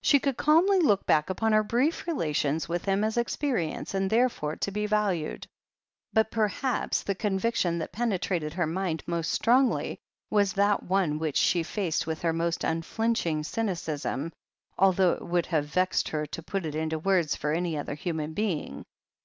She could calmly look back upon her brief relations with him as experience, and therefore to be valued. But perhaps the conviction that penetrated her mind most strongly, was that one which she faced with her most unflinching cynicism, although it would have vexed her to put it into words for any other human being.